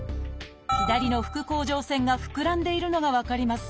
左の副甲状腺が膨らんでいるのが分かります。